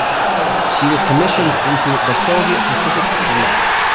She was commissioned into the Soviet Pacific Fleet.